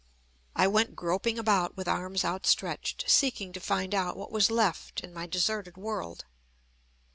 I went groping about with arms outstretched, seeking to find out what was left in my deserted world.